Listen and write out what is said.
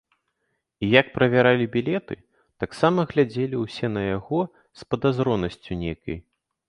І, як правяралі білеты, таксама глядзелі ўсе на яго з падазронасцю нейкай.